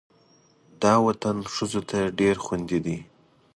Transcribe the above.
دا وطن ښځو ته ډېر خوندي دی.